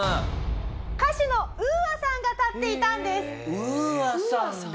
歌手のＵＡさんが立っていたんです！